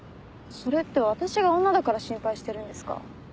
それって私が女だから心配してるんですか？